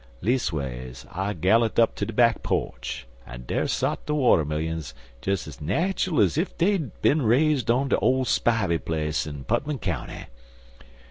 Leas'ways I galloped up ter de back po'ch, an' dar sot de watermillions dez ez natchul ez ef dey'd er bin raised on de ole Spivey place in Putmon County.